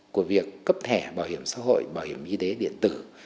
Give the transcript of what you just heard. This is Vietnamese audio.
của việc cấp thẻ bảo hiểm xã hội bảo hiểm y tế điện tử